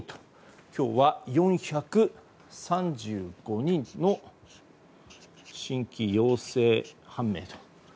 今日は４３５人の新規陽性判明と。